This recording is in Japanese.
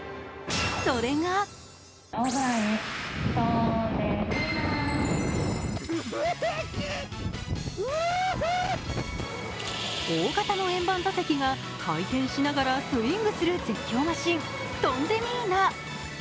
それが大型の円盤座席が回転しながらスイングする絶叫マシン、トンデミーナ。